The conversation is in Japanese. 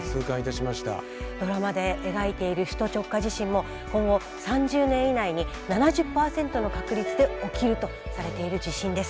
ドラマで描いている首都直下地震も今後３０年以内に７０％の確率で起きるとされている地震です。